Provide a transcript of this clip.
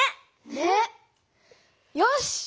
ねっ！よし！